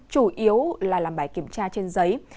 chủ yếu là làm bài kiểm tra trên giấy